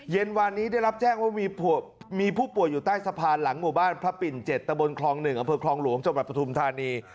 เย็นวานนี้ได้รับแจ้งว่ามีผู้ป่วยอยู่ใต้สะพานหลังหมู่บ้านพระปิ่น๗ตะบนคลอง๑อำเภอคลองหลวงจังหวัดปฐุมธานี